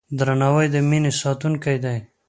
درناوی د مینې ساتونکی دی.